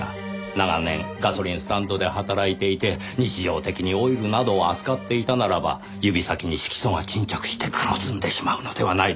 長年ガソリンスタンドで働いていて日常的にオイルなどを扱っていたならば指先に色素が沈着して黒ずんでしまうのではないでしょうか。